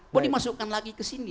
buat dimasukkan lagi kesini